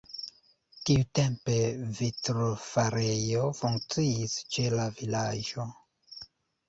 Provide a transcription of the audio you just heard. Tiutempe vitrofarejo funkciis ĉe la vilaĝo.